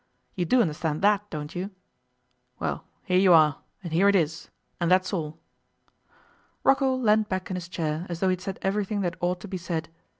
You do understand that, don't you? Well, here you are, and here it is, and that's all.' Rocco leaned back in his chair as though he had said everything that ought to be said.